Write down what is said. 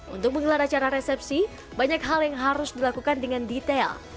untuk menggelar acara resepsi banyak hal yang harus dilakukan dengan detail